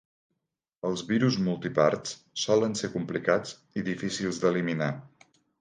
Els virus multiparts solen ser complicats i difícils d'eliminar.